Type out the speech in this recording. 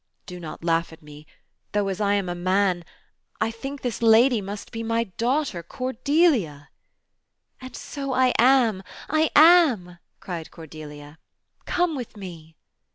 Do not laugh at me, though, as I am a man, I think this lady must be my daughter, Cordelia.'* "And so I am — I am," cried Cordelia. "Come with me."